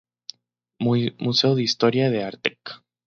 Museo de historia de Artek.